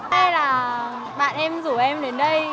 thứ hai là bạn em rủ em đến đây